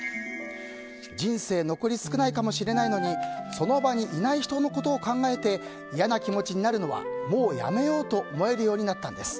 人生残り少ないかもしれないのにその場にいない人のことを考えて嫌な気持ちになるのはもうやめようと思えるようになったんです。